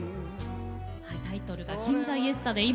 タイトルが「銀座イエスタデイ」。